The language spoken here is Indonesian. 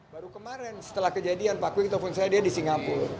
baru kemarin setelah kejadian pak kwi telepon saya dia di singapura